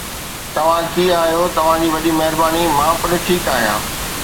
توهان ڪيئن آهيو، توهان جي وڏي مهرباني، مان پڻ ٺيڪ آهيان